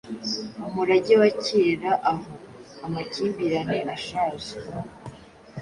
Umurage wa kera aho amakimbirane ashaje